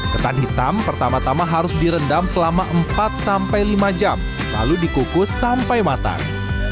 ketan hitam pertama tama harus direndam selama empat sampai lima jam lalu dikukus sampai matang